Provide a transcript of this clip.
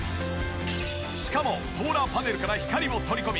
しかもソーラーパネルから光を取り込み